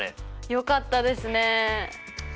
よかったですね！